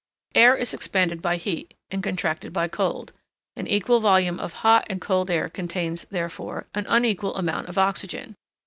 Air is expanded by heat, and contracted by cold an equal volume of hot and cold air contains, therefore, an unequal amount of oxygen.